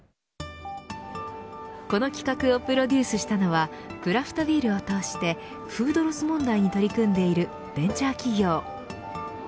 この企画をプロデュースしたのはクラフトビールを通してフードロス問題に取り組んでいるベンチャー企業。